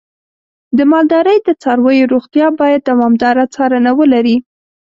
د مالدارۍ د څارویو روغتیا باید دوامداره څارنه ولري.